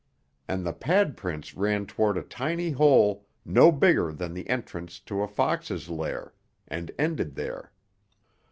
And the pad prints ran toward a tiny hole no bigger than the entrance to a fox's lair and ended there.